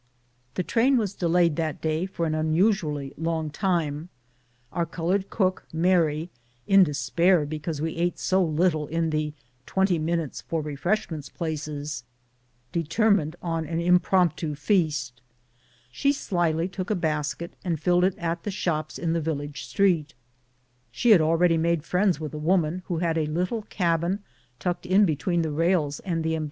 The train was delayed that day for an unusually long time; our colored cook, Mary, in despair because we ate so little in the " twenty minutes for refreshments " places, determined on an impromptu feast. She slyly took a basket and filled it at the shops in the village street. She had already made friends with a woman who had a little cabin tucked in between the rails and the em CHANGE OF STATION.